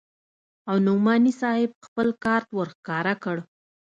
او نعماني صاحب خپل کارت ورښکاره کړ.